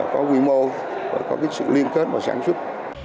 có quy mô có sự liên kết và sản xuất